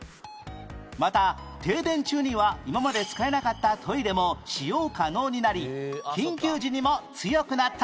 また停電中には今まで使えなかったトイレも使用可能になり緊急時にも強くなったんです